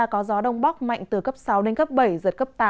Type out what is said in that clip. có gió đông bắc mạnh từ cấp sáu đến cấp bảy giật cấp tám